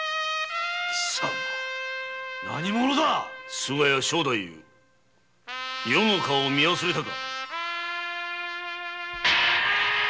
菅谷庄太夫余の顔を見忘れたか！